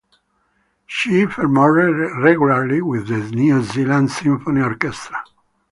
She performed regularly with the New Zealand Symphony Orchestra.